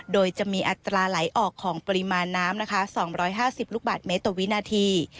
โดยจะมีอัตราไหลออกของปริมาณน้ำนะคะ๒๕๐ลูกบาทเมตรต่อวินาที